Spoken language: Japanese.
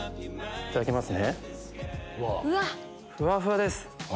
いただきます。